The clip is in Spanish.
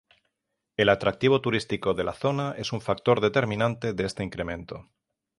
El atractivo turístico de la zona es un factor determinante de este incremento.